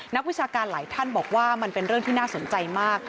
วิชาการหลายท่านบอกว่ามันเป็นเรื่องที่น่าสนใจมาก